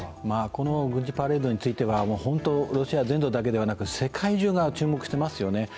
この軍事パレードについては、ロシア全土だけではなく世界中が注目してますよね。